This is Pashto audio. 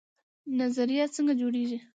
نظریه څنګه جوړیږي؟